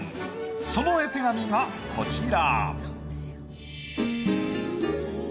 その絵手紙がこちら。